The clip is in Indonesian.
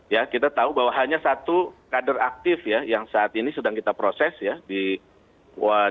ya kita tahu bahwa hanya satu kader aktif ya yang saat ini sedang kita proses ya di kuartal